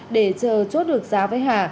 để chờ chốt được giá với hà